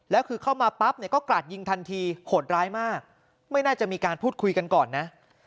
แล้วคือเข้ามาปั๊บเนี่ยก็กราดยิงทันทีโหดร้ายมากไม่น่าจะมีการพูดคุยกันก่อนนะ